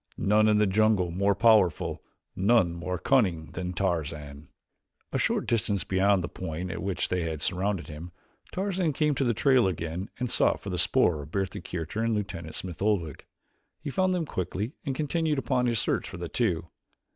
None in the jungle more powerful, none more cunning than Tarzan!" A short distance beyond the point at which they had surrounded him, Tarzan came to the trail again and sought for the spoor of Bertha Kircher and Lieutenant Smith Oldwick. He found them quickly and continued upon his search for the two.